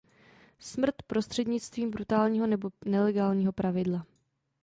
Smrt prostřednictvím brutálního nebo nelegálního pravidla.